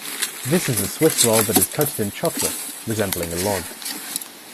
This is a Swiss roll that is coated in chocolate, resembling a log.